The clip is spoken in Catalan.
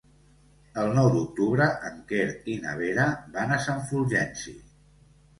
El nou d'octubre en Quer i na Vera van a Sant Fulgenci.